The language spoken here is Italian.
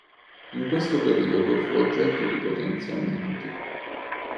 In questo periodo fu oggetto di potenziamenti.